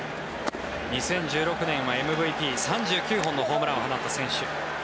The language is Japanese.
２０１６年はＭＶＰ３９本のホームランを放った選手。